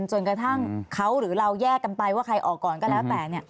จนกระทั่งเขาหรือเราแยกกันไปว่าใครออกก่อนก็แล้วแต่